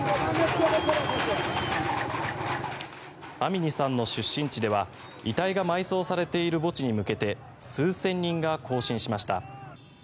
アミニさんの出身地では遺体が埋葬されている墓地に向けて数千人が行進しました。